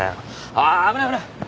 あっ危ない危ないもう。